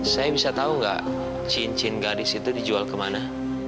saya bisa tau gak cincin gadis itu dijual kemana